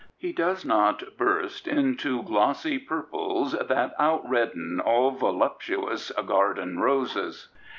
He does not burst — Into glossy purples that outredden All voluptuous garden roses.